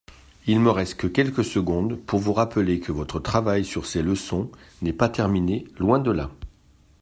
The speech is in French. Il ne me reste que quelques secondes pour vous rappeler que votre travail sur ces leçons n’est pas terminé, loin de là.